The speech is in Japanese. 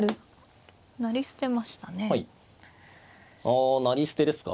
あ成り捨てですか。